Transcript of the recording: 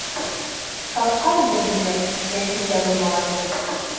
Тапҡан бер һөнәр, нәҫелдә булмағанды.